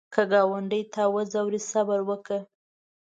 که ګاونډي تا وځوروي، صبر وکړه